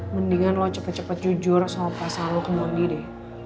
mendingan lo cepet cepet jujur sama pasal lo ke mondi deh